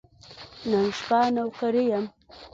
نن شپه نوکري یم .